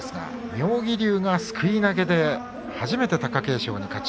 妙義龍がすくい投げで初めて貴景勝に勝ち。